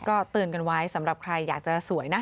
ก็เตือนกันไว้สำหรับใครอยากจะสวยนะ